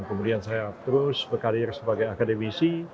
kemudian saya terus berkarir sebagai akademisi